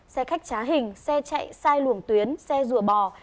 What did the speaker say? xe khách trá hình xe chạy sai luồng tuyến xe rùa bò